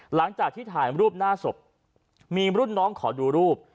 หลังจากที่ถ่ายรูปหน้าศพมีรุ่นน้องขอดูรูป